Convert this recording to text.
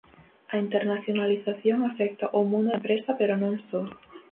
A internacionalización afecta ao mundo da empresa pero non só.